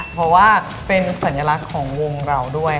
เพราะว่าเป็นสัญลักษณ์ของวงเราด้วย